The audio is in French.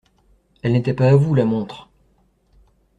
elle n'était pas à vous, la montre.